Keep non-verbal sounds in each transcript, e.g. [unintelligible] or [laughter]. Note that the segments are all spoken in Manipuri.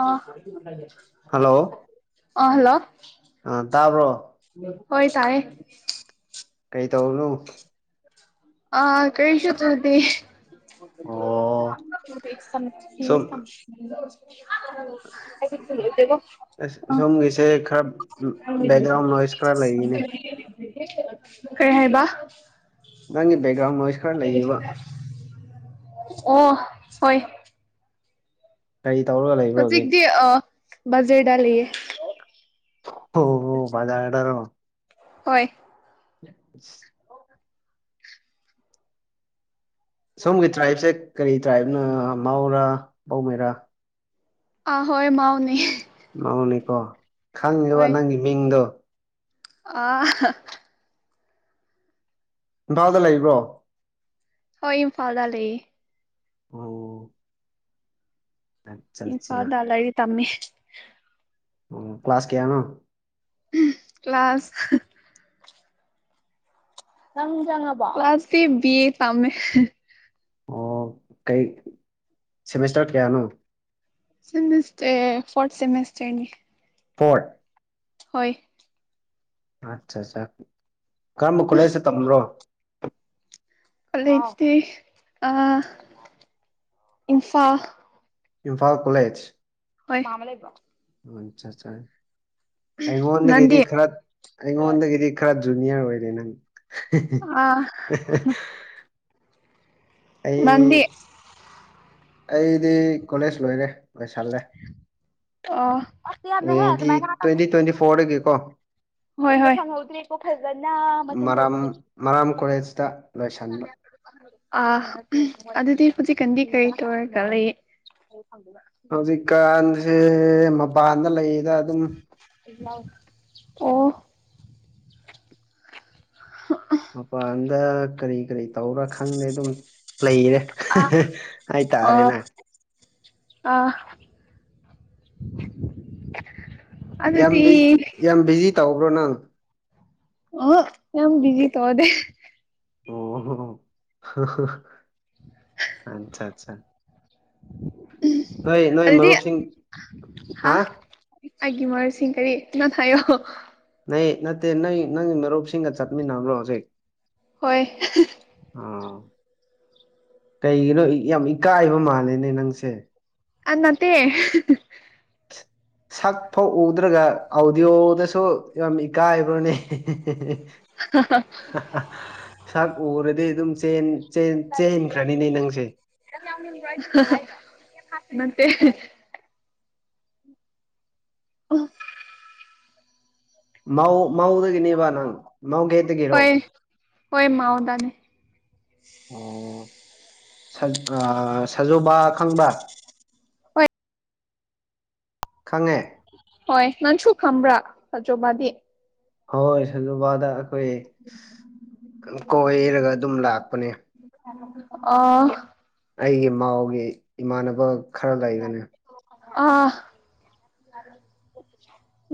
ꯑ ꯍꯜꯂꯣ ꯑ ꯍꯜꯂꯣ ꯑ ꯇꯥꯕ꯭ꯔꯣ ꯍꯣꯏ ꯇꯥꯏ ꯀ ꯇꯧꯅꯣ ꯑꯥ ꯀꯩꯁ ꯇꯗꯤ [inaudible] ꯑꯣ ꯁꯨꯝ ꯑꯩꯕꯣ ꯑꯁ ꯁꯣꯝꯒꯤꯁꯦ ꯈꯔ ꯕꯦꯛꯒ꯭ꯔꯥꯎꯟ ꯅꯣꯏꯁ ꯈꯔ ꯂꯩꯅꯦ ꯀꯩ ꯍꯥꯏꯕ ꯅꯪꯒꯤ ꯕꯦꯛꯒ꯭ꯔꯥꯎꯟ ꯅꯣꯏꯁ ꯈꯔ ꯂꯩꯌꯦꯕ ꯑꯣ ꯍꯣꯏ ꯀꯔꯤ ꯇꯧꯔꯒ ꯂꯩꯕꯅꯣ ꯍꯧꯖꯤꯛ ꯕꯖ꯭ꯔꯥꯗ ꯂꯤꯌꯦ ꯍ ꯍꯣ ꯃꯖ ꯍꯥꯏꯗꯔꯣ ꯍꯣꯏ [inaudible] ꯑꯣ ꯁꯣꯝꯒꯤ ꯇ꯭ꯔꯥꯏꯞꯁꯦ ꯀꯔꯤ ꯇ꯭ꯔꯥꯏꯕꯅꯣ ꯃꯥꯎꯔꯥ ꯕꯧꯃꯩꯔꯥ ꯑ ꯍꯣꯏ ꯃꯥꯎꯅꯦ ꯃꯥꯧꯅꯤꯀꯣ ꯈꯪꯉꯕ ꯅꯪꯒꯤ ꯃꯤꯡꯗꯣ ꯑ ꯏꯝꯐꯥꯜꯗ ꯂꯩꯕ꯭ꯔꯣ ꯍꯣꯏ ꯏꯝꯐꯥꯜꯗ ꯂꯩꯌꯦ ꯎꯝ ꯑꯆꯥ ꯆꯥ ꯇꯝꯃꯤ ꯑꯣ ꯀ꯭ꯂꯥꯁ ꯀꯌꯥꯅ ꯀ꯭ꯂ ꯀ꯭ꯂꯥꯁ ꯅꯪꯖꯉꯦ ꯕꯤ ꯑꯦ ꯇꯃꯦ ꯑꯣ ꯀꯩ ꯁꯦꯃꯤꯁꯇꯔ ꯀꯌꯥꯅꯣ ꯁꯦꯃꯦꯁꯇꯔ ꯐꯣꯔꯊ ꯁꯦꯃꯦꯁꯇꯔꯅꯤ ꯐꯣꯔꯠ ꯍꯣꯏ ꯑꯠꯆꯥ ꯑꯠꯆꯥꯆꯥ ꯀꯔꯝꯕ ꯈꯨꯠꯂꯩꯁꯦ ꯇ꯭ꯔꯣ ꯑꯂꯦ ꯑ ꯏꯟꯐꯥ ꯏꯝꯐꯥꯜ ꯀꯣꯂꯦꯖ ꯃꯥꯃ ꯂꯩꯕ ꯑꯆꯥ ꯑ ꯑꯩꯉꯣꯟꯗꯒꯤꯗꯤ ꯅꯪꯗꯤ ꯈꯔ ꯑꯩꯉꯣꯟꯗꯒꯤꯗꯤ ꯈꯔ ꯖꯨꯅꯤꯌꯔ ꯑꯣꯏꯔꯦ ꯅꯪ ꯑ ꯑꯩ ꯅꯪꯗꯤ ꯑꯩꯗꯤ ꯀꯣꯂꯦꯖ ꯂꯣꯏꯔꯦ ꯑ ꯂꯣꯏꯁꯤꯜꯂꯦꯇꯤ ꯇ꯭ꯋꯦꯟꯇꯤ ꯇ꯭ꯋꯦꯟꯇꯤ ꯐꯣꯔꯗꯒꯤꯀꯣ ꯍꯣꯏ ꯍꯣꯏ ꯈꯪꯍꯧꯗ꯭ꯔꯦꯀꯣ ꯐꯖꯅ ꯃꯊꯪ ꯃꯔꯥꯝ ꯊꯣꯛꯛꯄ ꯃꯔꯥꯝ ꯀꯣꯂꯦꯖꯇ ꯂꯣꯏꯁꯟꯕ [inaudible] ꯑ ꯑꯗꯨꯗꯤ ꯍꯧꯖꯤꯛ ꯀꯟꯗꯤ ꯀꯩ ꯇꯧꯔꯒ ꯂꯩ ꯍꯧꯖꯤꯛꯀꯥꯟꯁꯦ ꯃꯄꯥꯟꯗ ꯂꯩꯔꯤꯗ ꯑꯗꯨꯝ ꯑꯣ ꯃꯄꯥꯟꯗ ꯀꯔꯤ ꯀꯔꯤ ꯇꯧꯔꯥ ꯈꯪꯗꯦ ꯑꯗꯨꯝ ꯂꯩꯔꯦ ꯍꯥꯏ ꯑꯥ ꯇꯥꯔꯦꯅꯥ ꯑꯥ ꯑꯗꯨꯗꯤ ꯇꯕ꯭ꯔꯣ ꯅꯪ ꯑ ꯌꯥꯝ ꯕꯤꯖꯤ ꯇꯧꯗꯦ ꯑꯣꯣ ꯑꯆꯥ ꯑꯠꯆꯥ ꯅꯣꯏ ꯅꯣꯏ ꯑꯗꯨꯗꯤ ꯃꯔꯨꯞꯁꯤꯡ ꯍꯥ ꯑꯩꯒꯤ ꯃꯥꯔꯨꯞꯁꯤꯡ ꯀꯔꯤ ꯅ ꯍꯥꯏꯌꯣ ꯅ ꯅꯠꯇꯦ ꯅꯪ ꯅꯪ ꯃꯔꯣꯞꯁꯤꯡꯒ ꯆꯠꯃꯤ ꯅꯅꯥ꯭ꯔꯣ ꯍꯧꯖꯤꯛ ꯍꯣꯏ ꯑꯥ ꯀꯩꯒꯤꯅꯣ ꯌꯥꯝ ꯏꯀꯥꯏꯕ ꯃꯥꯜꯂꯦꯅꯦ ꯅꯪꯁꯦ ꯑꯥ ꯅꯠꯇꯦ ꯁꯛ ꯐꯥꯎ ꯎꯗ꯭ꯔꯒ ꯑꯥꯎꯗꯤꯌꯣꯗꯁꯨ ꯌꯥꯝ ꯏꯀꯥꯏꯕ꯭ꯔꯣꯅꯦ ꯁꯛ ꯎꯔꯗꯤ ꯑꯗꯨꯝ ꯆꯦꯟ ꯆꯦꯟ ꯆꯦꯟꯈ꯭ꯔꯅꯤꯅꯦ ꯅꯪꯁꯦ ꯒ ꯃꯦ ꯑꯣ ꯃꯥꯧꯗꯒꯤꯅꯤꯕ ꯅꯪ ꯃꯧꯘꯦꯒꯤꯔꯣ ꯍꯣꯏ ꯍꯣꯏ ꯃꯥꯎꯗꯥꯅꯦ ꯑꯣ ꯑ ꯁꯥꯖꯣꯕ ꯈꯪꯕ ꯍꯣꯏ ꯈꯪꯉꯦ ꯍꯣꯏ ꯅꯟꯁꯨ ꯈꯝꯕ꯭ꯔꯥ ꯆꯆꯣꯕꯥꯗꯤ ꯍꯣꯏ ꯁ ꯑꯗꯨꯕꯥꯗ ꯍꯣꯏ ꯀꯣꯏꯔꯒ ꯑꯗꯨꯝ ꯂꯥꯛꯄꯅꯦ ꯑ ꯑꯩꯒꯤ ꯃꯥꯎꯒꯤ ꯏꯃꯥꯟꯅꯕ ꯈꯔ ꯂꯩꯕꯅꯤ ꯑ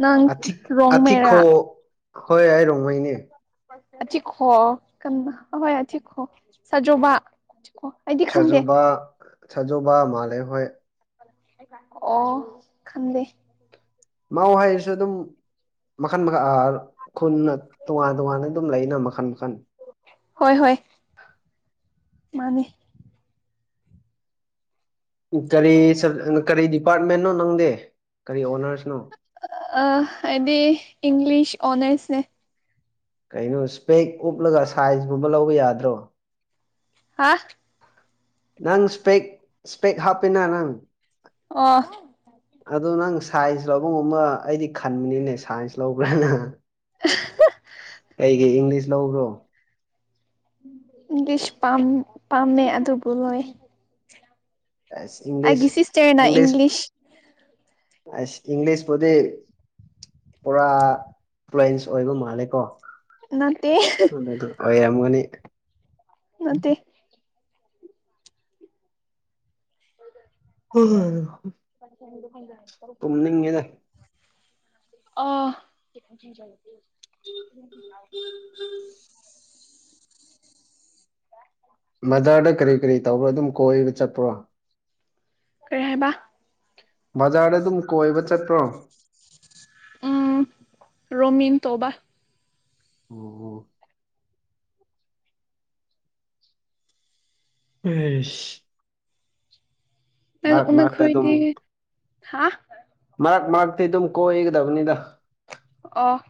ꯅꯪ ꯑꯊꯤꯛ ꯑꯊꯤꯛꯈꯣ ꯔꯣꯃꯦꯔꯥ ꯍꯣꯏ ꯍꯥꯏ ꯔꯣꯃꯥꯏꯅꯦ ꯤꯈꯣ [unintelligible] ꯍꯣꯏꯤꯈꯣ [unintelligible] ꯁꯥꯖꯃ ꯑꯣ ꯑꯩꯗꯤ ꯈꯪꯗꯦ ꯁꯖꯣꯕꯥ ꯁꯖꯣꯕꯥ ꯃꯥꯂꯦ ꯍꯣꯏ ꯑꯣ ꯈꯟꯗꯦ ꯃꯧ ꯍꯥꯏꯁꯨ ꯑꯗꯨꯝ ꯃꯈꯟ ꯃꯈꯥ ꯈꯨꯟꯅ ꯇꯣꯉꯥꯟ ꯇꯣꯉꯥꯟꯅ ꯑꯗꯨꯝ ꯂꯩꯅ ꯃꯈꯟ ꯃꯈꯟ ꯃꯥꯅꯦ ꯀꯔꯤ ꯀꯔꯤ ꯗꯤꯄꯥꯔꯠꯃꯦꯟꯟꯅꯣ ꯅꯪꯗꯦ ꯀꯔꯤ ꯑꯣꯅꯔꯁꯅꯣ ꯑ ꯍꯥꯏꯗꯤ ꯏꯪꯂꯤꯁ ꯑꯣꯅꯔꯁꯅꯦ ꯀꯩꯅꯣ ꯏꯁꯄꯦꯛ ꯎꯞꯂꯒ ꯁꯥꯏꯖꯀꯨꯝꯕ ꯂꯧꯕ ꯌꯥꯗ꯭ꯔꯣ ꯍꯥ ꯅꯪ ꯁꯄꯦꯛ ꯁꯄꯦꯛ ꯍꯥꯞꯄꯦꯅꯥ ꯅꯪ ꯑꯣ ꯑꯗꯨ ꯅꯪ ꯁꯥꯏꯟꯁ ꯂꯧꯕꯒꯨꯝꯕ ꯑꯩꯗꯤ ꯈꯟꯕꯅꯤꯅꯦ ꯁꯥꯏꯟꯁ ꯂꯧꯕꯔꯅ ꯀꯩꯒꯤ ꯏꯪꯂꯤꯁ ꯂꯧꯕ꯭ꯔꯣ ꯁ ꯄꯝ ꯄꯝꯃꯦ ꯑꯗꯨꯕꯨꯂꯣꯏ ꯑ ꯏꯪꯂꯤꯁ ꯏꯪꯂꯤꯁ ꯑꯁ ꯏꯪꯂꯤꯁ ꯄꯗꯤ ꯄꯨꯔꯥ ꯐ꯭ꯂꯦꯟꯁ ꯑꯣꯏꯕ ꯃꯥꯜꯂꯦ ꯀꯣ ꯅꯠꯇꯦ ꯗꯨ [inaudible] ꯌꯥꯝꯒꯅꯤ ꯅꯇꯦ ꯇꯨꯝꯅꯤꯡꯉꯦꯗ [unintelligible] ꯑ [inaudible] ꯎꯝ ꯎꯝ ꯎꯝ ꯎꯝ [unintelligible] ꯕꯖꯥꯔꯗ ꯀꯔꯤ ꯀꯔꯤ ꯇꯧꯕ꯭ꯔꯣ ꯑꯗꯨꯝ ꯀꯣꯏꯔ ꯆꯠꯄ꯭ꯔꯣ ꯀꯦꯍꯦꯕ ꯕꯖꯥꯔꯗ ꯑꯗꯨꯝ ꯀꯣꯏꯕ ꯆꯠꯄ꯭ꯔꯣ ꯎꯝ ꯔꯣꯃꯤꯟ ꯇꯣꯕꯥ ꯑꯣ ꯑꯣ ꯁꯤꯁ ꯑꯣ ꯑꯗꯨꯝ ꯈꯣꯏꯗꯤ ꯍꯥ ꯃꯔꯛ ꯃꯔꯛꯇꯤ ꯑꯗꯨꯝ ꯀꯣꯏꯒꯗꯕꯅꯤꯅ ꯑꯣꯐ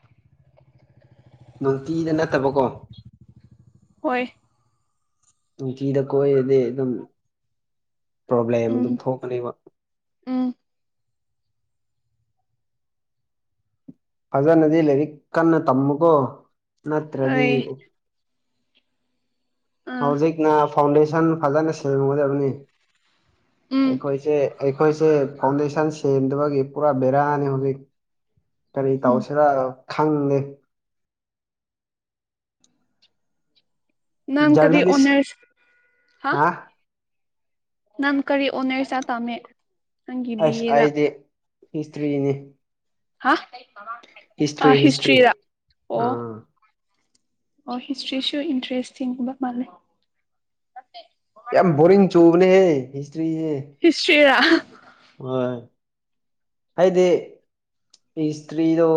ꯅꯨꯡꯇꯤꯗ ꯅꯠꯇꯕꯀꯣ ꯍꯣꯏ ꯅꯨꯡꯀꯤꯤꯗ ꯀꯣꯏꯗꯤ ꯑꯗꯨꯝ ꯄ꯭ꯔꯣꯕ꯭ꯂꯦꯝ ꯑꯗꯨꯝ ꯎꯝ ꯊꯣꯛꯀꯅꯦꯕ ꯎꯝ ꯐꯖꯅꯗꯤ ꯂꯩꯔꯤ ꯀꯟꯅ ꯇꯃꯨꯀꯣ ꯅꯠꯇ꯭ꯔꯗꯤ ꯍꯣꯏ ꯑꯥ ꯍꯧꯖꯤꯛꯅ ꯐꯥꯎꯟꯗꯦꯁꯟ ꯐꯖꯅ ꯁꯦꯝꯒꯗꯕꯅꯤ ꯎꯝ ꯑꯩꯈꯣꯏꯁꯦ ꯑꯩꯈꯣꯏꯁꯦ ꯐꯥꯎꯟꯗꯦꯁꯟ ꯁꯦꯝꯗꯕꯒꯤ ꯄꯨꯔꯥ ꯕꯦꯔꯥꯅꯤ ꯍꯧꯖꯤꯛ ꯀꯔꯤ ꯎꯝ ꯇꯧꯁꯤꯔꯥ ꯈꯪꯉꯦ ꯅꯪ ꯀꯔꯤ ꯖꯔꯅꯦꯂꯤꯁ ꯑꯣꯅꯔꯁ ꯍꯥ ꯅꯥꯟ ꯀꯔꯤ ꯑꯣꯅꯦꯔꯁꯥ ꯇꯥꯝꯃꯦ ꯑꯁ ꯑꯩꯗꯤ ꯍꯤꯁꯇ꯭ꯔꯤꯅꯤ ꯍꯥ ꯍꯤꯁꯇ꯭ꯔꯤ ꯍꯤꯁꯇ꯭ꯔꯤ ꯍꯤꯁꯇꯔꯤꯗ ꯑꯣ ꯑꯥ ꯑꯣ ꯍꯤꯁꯇ꯭ꯔꯤꯁꯨ ꯏꯟꯇꯔꯦꯁꯇꯤꯡꯒꯕ ꯃꯥꯂꯦ ꯌꯥꯝ ꯕꯣꯔꯤꯡ ꯆꯨꯕꯅꯦꯍꯦ ꯍꯤꯁꯇ꯭ꯔꯤꯁꯦ ꯍꯤꯁꯇ꯭ꯔꯤꯔ ꯍꯣꯏ ꯍꯥꯏꯗꯤ ꯏꯇ꯭ꯔꯤꯗꯣ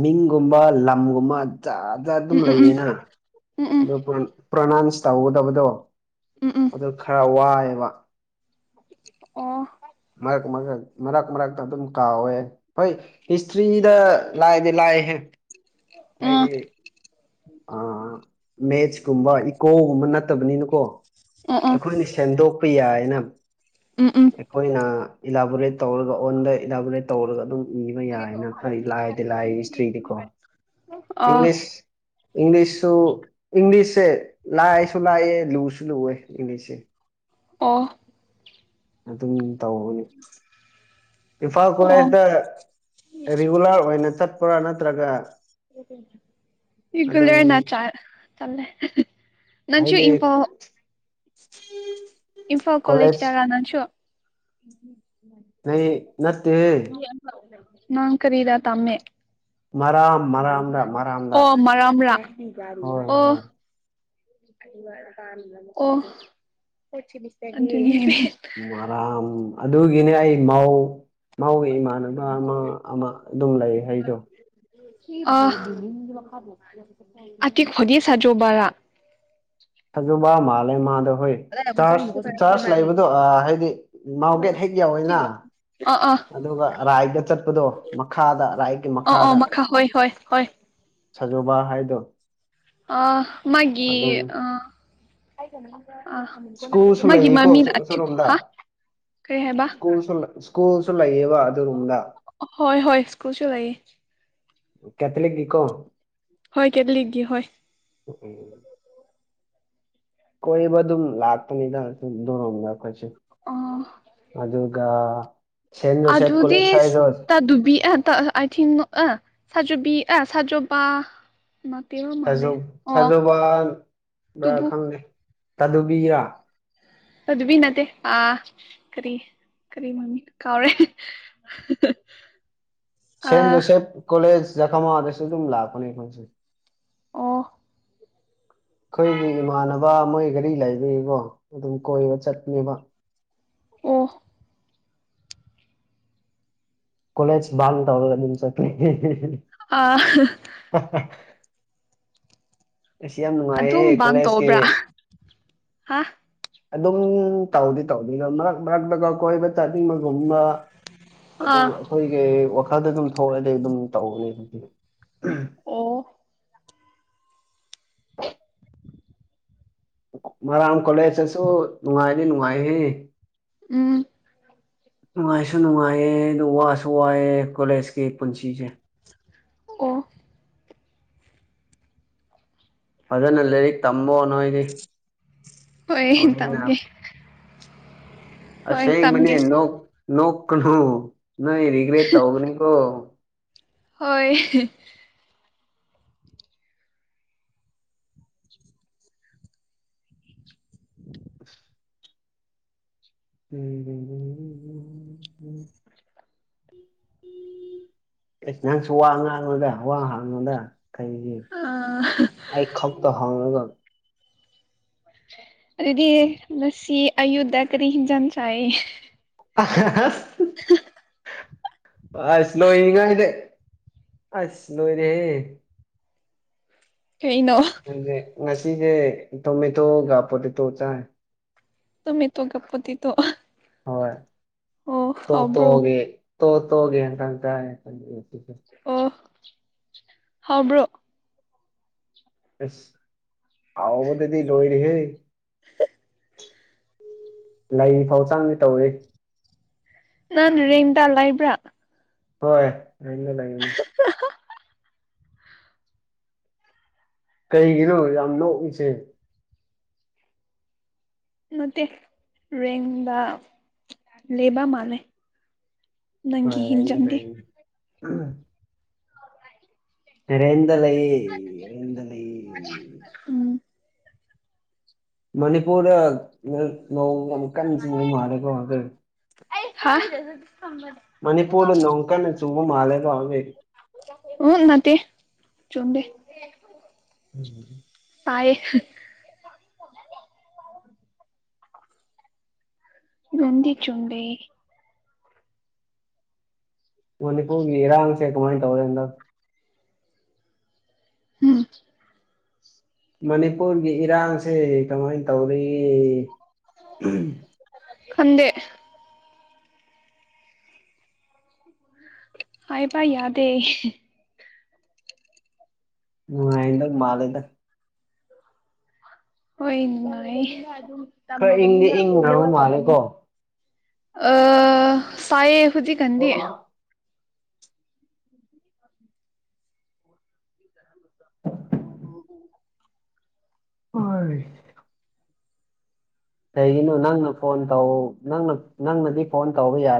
ꯃꯤꯡꯒꯨꯝꯕ ꯂꯝꯒꯨꯝꯕ ꯖꯖ ꯑꯗꯨꯝ ꯎꯝ ꯎꯝ ꯂꯩꯌꯦꯅ ꯎꯝ ꯎꯝ ꯎꯝ ꯑꯗꯨ ꯄ꯭ꯔꯣꯅꯥꯎꯟꯁ ꯇꯧꯍꯧꯒꯗꯕꯗꯣ ꯎꯝ ꯎꯝ ꯑꯗꯨ ꯈꯔ ꯋꯥꯏ ꯋꯥ ꯑꯣ ꯃꯔꯛ ꯃꯔꯛ ꯃꯔꯛ ꯃꯔꯛ ꯇ ꯑꯗꯨꯝ ꯇꯧꯋꯦ ꯍꯤꯁꯇ꯭ꯔꯤꯗ ꯂꯥꯏꯗꯤ ꯂꯥꯏꯍꯦ ꯎꯝ ꯍꯥꯏꯗꯤ ꯑꯥ ꯃꯦꯠꯁꯀꯨꯝꯕ ꯏꯀꯣꯒꯨꯝꯕ ꯅꯠꯇꯕꯅꯤꯅꯀꯣ ꯎꯝ ꯎꯝ ꯑꯩꯈꯣꯏꯅ ꯁꯦꯝꯗꯣꯛ ꯌꯥꯏꯅ ꯎꯝ ꯎꯝ ꯑꯩꯈꯣꯏꯅ ꯏꯂꯥꯕꯣꯔꯦꯠ ꯇꯧꯔꯒ ꯑꯣꯟꯗ ꯏꯗꯥꯕꯂꯦꯠ ꯇꯧꯔꯒ ꯑꯗꯨꯝ ꯏꯕ ꯌꯥꯏꯅ ꯈꯔ ꯂꯥꯏꯗꯤ ꯂꯥꯏ ꯏꯁꯇ꯭ꯔꯤꯗꯤꯀꯣ ꯑ ꯏꯪꯂꯤꯁ ꯏꯪꯂꯤꯁꯨ ꯏꯪꯂꯤꯁꯦ ꯂꯥꯏꯁꯨ ꯂꯥꯛꯑꯦ ꯂꯨꯁꯨ ꯂꯨꯑꯦ ꯏꯪꯂꯤꯁꯁꯦ ꯑꯣ ꯑꯗꯨꯝ ꯇꯧꯅꯤ ꯏꯝꯐꯥꯜ ꯑꯣ ꯀꯣꯂꯦꯖꯇ ꯔꯤꯒꯨꯂꯔ ꯑꯣꯏꯅ ꯆꯠꯄ꯭ꯔꯥ ꯅꯠꯇ꯭ꯔꯒ ꯑꯗꯨꯝ ꯏꯒꯂꯦꯅ ꯆ ꯆꯂꯦ ꯅꯟꯁꯨꯨ ꯏꯄꯥꯎ ꯎꯝ ꯏꯝꯐꯥꯜ ꯀꯣꯂꯦꯖ ꯇꯔꯥ ꯅꯁꯨꯣ ꯑꯩ ꯅꯠꯇꯦ ꯅꯪ ꯀꯔꯤꯗ ꯇꯃꯦ ꯃꯔꯥꯝ ꯃꯔꯥꯝꯗ ꯃꯔꯥꯝꯗ ꯑꯣ ꯃꯔꯥꯝ ꯃꯔꯥꯝꯔ ꯍꯣꯏ ꯑꯣ ꯍꯣꯏ ꯑꯣ ꯃꯔꯥꯝ ꯑꯗꯨꯒꯤꯅꯦ ꯑꯩ ꯃꯧ ꯃꯥꯎꯒꯤ ꯏꯃꯥꯟꯅꯕ ꯑꯃ ꯑꯃ ꯑꯗꯨꯝ ꯂꯩ ꯑꯩꯗꯣ ꯑꯣ ꯈꯣꯗꯤ ꯁꯥꯖꯣꯕꯥꯔꯥ ꯍꯖꯕ ꯃꯥꯂꯦ ꯃꯥꯗ ꯍꯣꯏ ꯆꯥꯔꯖ ꯆꯥꯔꯖ ꯂꯩꯕꯗꯣ ꯍꯥꯏꯗꯤ ꯃꯥꯎꯒꯦꯠ ꯍꯦꯛ ꯌꯥꯎꯋꯦꯅ ꯑꯥ ꯑꯥ ꯑꯗꯨꯒ ꯔꯥꯏꯗ ꯆꯠꯄꯗꯣ ꯃꯈꯥꯗ ꯔꯥꯏꯠꯀꯤ ꯃꯈꯥꯗ ꯑꯣꯏꯣꯏ ꯁꯖꯣꯕꯥ ꯍꯥꯏꯗꯣ ꯑ ꯃꯥꯒꯤ ꯑꯗꯨꯝ ꯑ ꯑ ꯁ꯭ꯀꯨꯜꯁꯨ ꯃꯥꯒꯤ ꯂꯩꯌꯦꯀꯣ ꯃꯃꯤ ꯑꯊꯈꯣ ꯁꯣꯔꯣꯝꯗ ꯍꯥ ꯀꯩ ꯍꯥꯏꯕ ꯁ꯭ꯀꯨꯜꯁꯨ ꯁ꯭ꯀꯨꯜꯁꯨ ꯂꯩꯌꯦꯕ ꯑꯗꯨꯗꯔꯒ ꯍꯣꯏ ꯍꯣꯏ ꯁ꯭ꯀꯨꯜꯁꯨ ꯂꯩꯌꯦ ꯀꯦꯊꯂꯛ ꯀꯣ ꯍꯣꯏ ꯀꯦꯠꯂꯤꯛꯒꯤ ꯍꯣꯏ ꯀꯣꯏꯕꯗꯨ ꯂꯥꯛꯇ ꯅꯗ ꯑꯗꯨ ꯗꯔꯝ ꯂꯈꯣꯏꯁꯤ ꯑ ꯑꯗꯨꯒ ꯁꯦꯟ ꯖꯣꯁꯦꯞ ꯑꯗꯨꯗꯤ ꯀꯣꯂꯦꯖ ꯍꯥꯏꯗꯣ ꯇꯗꯨꯕꯤ ꯇ ꯑꯊꯤꯟ ꯁꯖꯣꯕꯤ ꯁꯖꯣꯕꯥ ꯁꯥꯖ ꯁꯥꯖꯨꯕꯥ ꯕ꯭ꯔꯥ ꯇꯨꯕꯨ ꯈꯪꯗꯦ ꯇꯗꯨꯕꯤꯔ ꯇꯗꯨꯕꯤ ꯅꯠꯇꯦ ꯑꯥ ꯀꯔꯤ ꯀꯔꯤ ꯃꯃꯤꯡ ꯀꯥꯎꯔꯦ ꯁꯦꯟ ꯑꯥ ꯖꯣꯁꯦꯐ ꯀꯣꯂꯦꯖ ꯌꯥꯈꯃ ꯗꯁꯦ ꯇꯨꯨꯝ ꯂꯛꯄꯅꯦ ꯈꯣꯏꯁꯦ ꯑꯣ ꯑꯩꯈꯣꯏꯒꯤ ꯏꯃꯥꯟꯅꯕ ꯃꯣꯏ ꯒꯥꯔꯤ ꯂꯩꯔꯤꯀꯣ ꯑꯗꯨꯝ ꯀꯣꯏꯕ ꯆꯠꯅꯦꯕ ꯑꯣ ꯀꯣꯂꯦꯖ ꯥ ꯇꯕꯂꯝ ꯁꯈ ꯑꯥ ꯑꯁ ꯌꯥꯝ ꯅꯨꯡꯉꯥꯏꯌꯦ ꯑꯗꯨꯝ ꯕꯥꯡ ꯀꯣꯂꯦꯖꯀꯤ ꯇꯧꯕ꯭ꯔꯥ ꯍꯥ ꯑꯗꯨꯝ ꯇꯧꯗꯤ ꯇꯧꯗꯤ ꯃꯔꯛ ꯃꯔꯛꯇꯒ ꯀꯣꯏꯕ ꯆꯠꯅꯤꯡꯕꯒꯨꯝꯕ ꯑꯗꯨ ꯑꯥ ꯑꯩꯈꯣꯏꯒꯤ ꯋꯥꯈꯜꯗ ꯑꯗꯨꯝ ꯊꯣꯛꯑꯗꯤ ꯑꯗꯨꯝ ꯇꯧꯅꯤ ꯑꯗꯨꯗꯤ ꯑꯣ [unintelligible] [inaudible] ꯃꯥꯔꯝ ꯀꯂꯦꯁꯦꯁꯨꯣ ꯅꯨꯡꯉꯥꯏꯗꯤ ꯅꯨꯡꯉꯥꯏꯍꯦ ꯎꯝ ꯅꯨꯡꯉꯥꯏꯁꯨ ꯅꯨꯡꯉꯥꯏꯌꯦ ꯑꯗꯨ ꯋꯥꯁꯨ ꯋꯥꯏꯑꯦ ꯀꯣꯂꯦꯖꯀꯤ ꯄꯨꯟꯁꯤꯁꯦ ꯑꯣ ꯐꯖꯅ ꯂꯥꯏꯔꯤꯛ ꯇꯃꯣ ꯅꯣꯏꯗꯤ ꯍꯣꯏ ꯍꯧꯖꯤꯛꯅ ꯇꯝꯒꯦ ꯍꯣꯏ ꯑꯁ ꯃꯅꯤ ꯇꯝꯒꯦ ꯅ ꯅꯣꯅꯨ ꯅ ꯔꯤꯒ꯭ꯔꯦꯠ ꯇꯧꯒꯅꯤ ꯀꯣ ꯍꯣꯏ [unintelligible] [inaudible] ꯎꯝ ꯁꯨ ꯋꯥ ꯉꯉꯣꯗ ꯋꯥꯉꯣꯗ ꯀꯩꯒꯤ ꯑꯥ ꯑꯩ ꯈꯛꯇ ꯍꯪꯉꯒ ꯑꯗꯨꯗꯤ ꯂꯁꯤ ꯑꯌꯨꯙꯌꯥ ꯀꯔꯤ ꯍꯖꯟꯁꯏ ꯑ [unintelligible] [inaudible] ꯑꯁꯅꯣꯅꯤꯉꯗꯦ ꯑꯁꯅꯣꯅꯦ ꯀꯩꯅꯣ ꯑꯩꯁꯦ ꯉꯁꯤꯁꯦ ꯇꯃꯤ ꯊꯣ ꯒꯄꯣꯠꯇ ꯇ ꯆꯥꯏ ꯇꯃꯤ ꯇꯣ ꯀꯞꯄꯣꯗꯤꯤ ꯇꯣ ꯍꯣꯏ ꯇꯣ ꯇꯣꯒꯦ ꯇꯣ ꯇꯣꯒꯦ ꯑꯣ ꯍꯥꯎꯕ꯭ꯔꯣ ꯑꯦꯁ ꯑꯋꯥꯕꯨꯗꯗꯤ ꯂꯣꯏꯔꯤ ꯍꯦ ꯂꯩ ꯐꯧ ꯆꯥꯡꯗꯤ ꯇꯧꯏ ꯅꯥꯟ ꯔꯦꯡꯟꯗ ꯂ ꯏꯕ꯭ꯔꯥ ꯍꯣꯏ ꯑꯅ ꯂꯩꯅꯤ ꯀꯩꯒꯤꯅꯣ ꯌꯥꯝ ꯅꯣꯛꯏꯁꯦ ꯅꯠꯇ ꯔꯦꯡꯗ ꯂꯦꯕ ꯃꯅꯦꯅꯦ ꯅꯪꯒꯤ ꯍꯤꯟꯖꯪꯗꯦ ꯎ [unintelligible] [inaudible] ꯔꯔꯦꯗ ꯂꯩꯦ ꯔꯦꯗ ꯂꯩ ꯎꯝ ꯃꯅꯤꯄꯨꯔꯗ ꯃꯧ ꯌꯥꯝꯛ ꯀꯟꯅ ꯆꯨꯕ ꯃꯥꯜꯔꯦꯀꯣ ꯑ ꯍ ꯃꯅꯤꯄꯨꯔꯗ ꯅꯣꯡ ꯀꯟꯅ ꯆꯨꯕ ꯃꯥꯜꯂꯦꯀꯣ ꯍꯧꯖꯤꯛ [unintelligible] [inaudible] ꯎ ꯅꯠꯇꯦ ꯆꯣꯡꯗꯦ ꯎꯝ ꯄꯥꯏ ꯗꯤ ꯆꯨꯗꯦ ꯃꯅꯤ ꯀꯒ ꯏꯔꯥꯡꯪꯁꯦ ꯀꯃꯥꯏ ꯇꯧꯔꯦꯟꯟ ꯎꯝ ꯃꯅꯤꯄꯨꯔꯒꯤ ꯏꯔꯥꯡꯁꯦ ꯀꯃꯥꯏꯅ ꯇꯧꯔꯤ ꯈꯟꯗꯦ ꯍꯌꯦꯕ ꯌꯥꯗꯦ ꯥꯏꯅ ꯃꯥꯂꯗ ꯍꯣꯏ ꯑꯗꯨꯝ ꯈꯔ ꯏꯪꯗꯤ ꯇꯝꯃꯕꯅꯤꯅ ꯑꯣꯏ ꯏꯪꯈ꯭ꯔꯕ ꯂꯧꯒ ꯇꯝꯃꯅꯤ ꯃꯥꯜꯂꯦꯀꯣ ꯑ ꯁꯑ ꯑꯦꯍꯣꯖꯤ ꯀꯗꯤ ꯑꯦ ꯑꯣ ꯍ ꯍ [inaudible] ꯍꯣꯏ ꯀꯩꯒꯤꯅꯣ ꯅꯪꯅ ꯐꯣꯟ ꯇꯧ ꯅ ꯅꯪꯅꯗꯤ ꯐꯣꯟ ꯇꯧꯕ ꯌꯥꯗꯦ